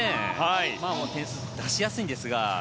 点数を出しやすいんですが。